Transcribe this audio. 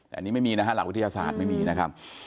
แต่อันนี้ไม่มีนะฮะหลักวิทยาศาสตร์ไม่มีนะครับ